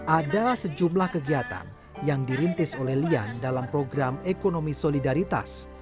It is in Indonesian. ada sejumlah kegiatan yang dirintis oleh lian dalam program ekonomi solidaritas